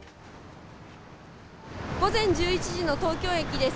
午前１１時の東京駅です。